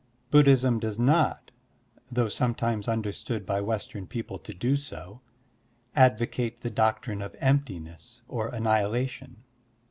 Buddhism does not, though sometimes tmderstood by Western people to do so, advocate the doctrine of emptiness or annihilation.